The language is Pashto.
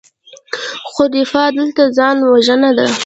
خو دفاع دلته ځان وژنه ده.